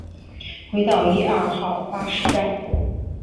回到一二号巴士站